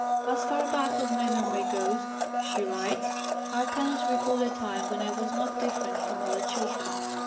"As far back as my memory goes," she writes, "I cannot recall a time when I was not different from other children.